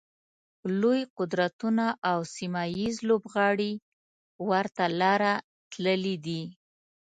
لوی قدرتونه او سیمه ییز لوبغاړي ورته لاره تللي دي.